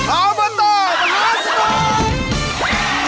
ออเบอร์โตมหาสนุก